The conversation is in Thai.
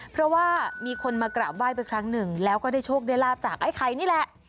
เพราะว่ามีคนมากราบไหว้ไปครั้งหนึ่งแล้วก็ได้โชคได้ลาบจากไอ้ไข่นี่แหละ